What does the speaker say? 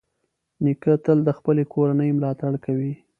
نیکه تل د خپلې کورنۍ ملاتړ کوي.